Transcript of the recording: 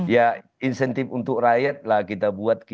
ya insentif untuk rakyat lah kita buat kita